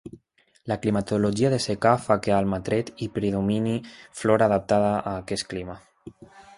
La climatologia de secà fa que a Almatret hi predomini flora adaptada a aquest clima.